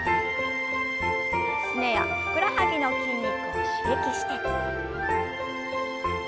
すねやふくらはぎの筋肉を刺激して。